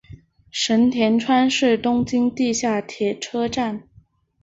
神田川是东京地下铁车站。